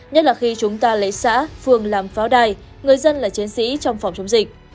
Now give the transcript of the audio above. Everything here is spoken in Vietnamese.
nhất là khi chúng ta lấy xã phường làm pháo đài người dân là chiến sĩ trong phòng chống dịch